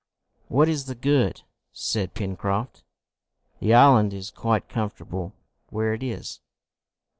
"What is the good?" said Pencroft. "The island is quite comfortable where it is!"